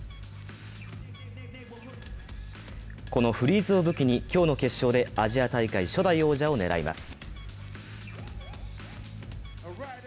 このフリーズを武器に今日の決勝でアジア大会初代王者を狙います。